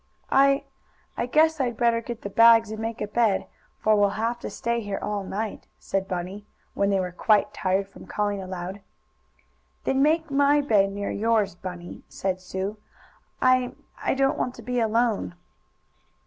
"I I guess I'd better get the bags and make a bed, for we'll have to stay here all night," said Bunny, when they were quite tired from calling aloud. "Then make my bed near yours, Bunny," said Sue. "I I don't want to be alone."